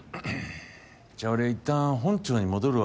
じゃあ俺いったん本庁に戻るわ。